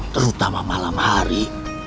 terutama malam hari